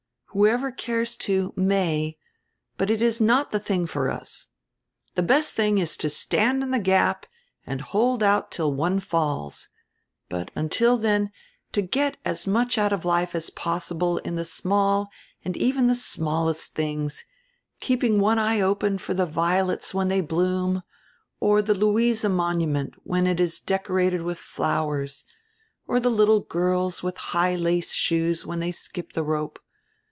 Whoever cares to, may, but it is not die tiling for us. The best tiling is to stand in die gap and hold out till one falls, but, until then, to get as much out of life as possible in die small and even die smallest tilings, keeping one eye open for die violets when diey bloom, or die Luise monument when it is decorated widi flowers, or die littie girls with high lace shoes when diey skip die rope.